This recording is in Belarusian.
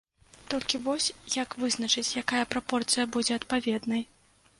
Толькі вось як вызначыць, якая прапорцыя будзе адпаведнай?